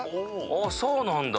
あそうなんだ。